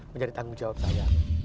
menjadi tanggung jawab saya